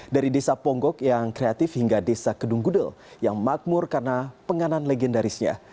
dari desa ponggok yang kreatif hingga desa kedung gudel yang makmur karena penganan legendarisnya